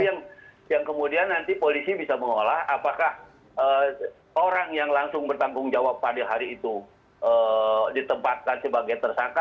yang kemudian nanti polisi bisa mengolah apakah orang yang langsung bertanggung jawab pada hari itu ditempatkan sebagai tersangka